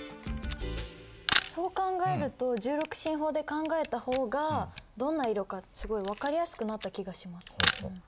そう考えると１６進法で考えた方がどんな色かすごい分かりやすくなった気がします。